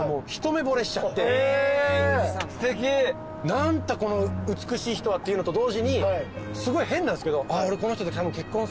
何だこの美しい人はっていうのと同時にすごい変なんすけど。